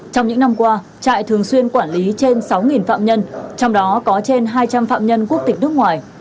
trong những năm qua trại thường xuyên quản lý trên sáu phạm nhân trong đó có trên hai trăm linh phạm nhân quốc tịch nước ngoài